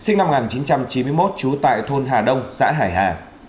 sinh năm một nghìn chín trăm chín mươi một trú tại thôn hà đông xã hải hà